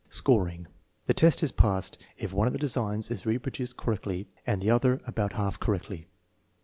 Scoring. The test is passed if one of the designs is re produced correctly and the other about half correctly.